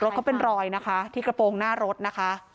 ก็เป็นรอยนะคะที่กระโปรงหน้ารถนะคะ